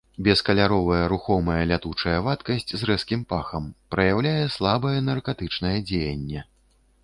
Бескаляровая рухомая лятучая вадкасць з рэзкім пахам, праяўляе слабае наркатычнае дзеянне.